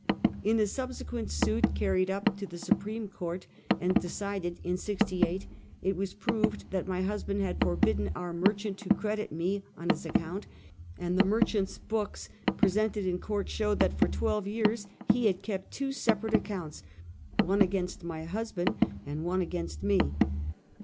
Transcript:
In a subsequent suit carried up to the Supreme Court and decided in '68, it was proved that my husband had forbidden our merchant to credit me on his ac count, and the merchant's books presented in court showed that for twelve years he had kept two separate accounts, one against my husband and one against me.